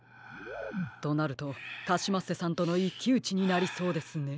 となるとカシマッセさんとのいっきうちになりそうですね。